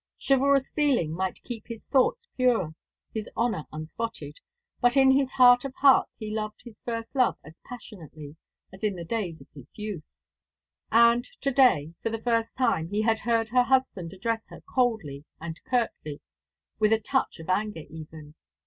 Chivalrous feeling might keep his thoughts pure, his honour unspotted; but in his heart of hearts he loved his first love as passionately as in the days of his youth. And to day, for the first time, he had heard her husband address her coldly and curtly, with a touch of anger even.